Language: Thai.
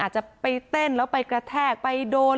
จะไปเต้นแล้วไปกระแทกไปโดน